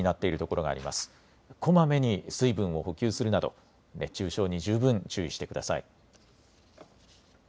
こまめに水分を補給するなど熱中症に十分注意してください。